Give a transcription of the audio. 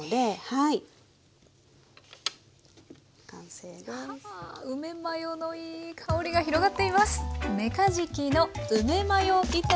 はあ梅マヨのいい香りが広がっています。